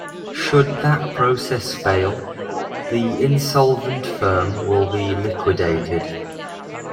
Should that process fail, the insolvent firm will be liquidated.